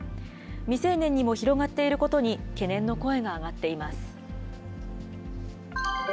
未成年にも広がっていることに懸念の声が上がっています。